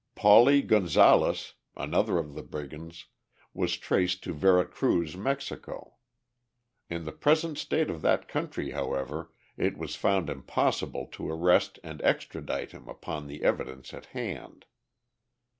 Pauli Gonzales, another of the brigands, was traced to Vera Cruz, Mexico. In the present state of that country, however, it was found impossible to arrest and extradite him upon the evidence at hand.